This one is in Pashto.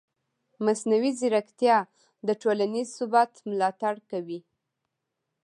مصنوعي ځیرکتیا د ټولنیز ثبات ملاتړ کوي.